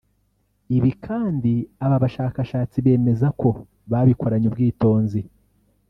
Ibi kandi aba bashakashatsi bemeza ko babikoranye ubwitonzi